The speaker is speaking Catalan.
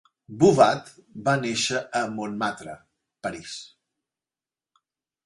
Boubat va néixer a Montmartre, París.